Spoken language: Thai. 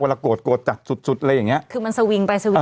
โกรธโกรธจัดสุดสุดอะไรอย่างเงี้ยคือมันสวิงไปสวิง